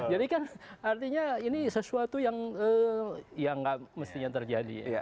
jadi kan artinya ini sesuatu yang tidak mestinya terjadi